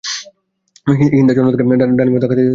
হিন্দা জনতাকে ডানে-বামে ধাক্কা দিতে দিতে আগে চলে যায়।